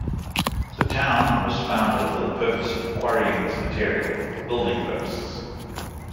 The town was founded for the purpose of quarrying this material, for building purposes.